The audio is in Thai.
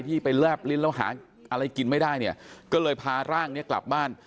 ไปแลบลิ้นแล้วหาอะไรกินไม่ได้เนี่ยก็เลยพาร่างนี้กลับบ้าน